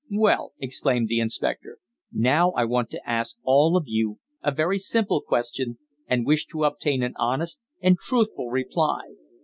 "Well," exclaimed the inspector, "now, I want to ask all of you a very simple question, and wish to obtain an honest and truthful reply.